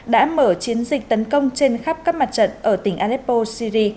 đã mở chiến dịch tấn công trên khắp các mặt trận ở tỉnh aleppo syri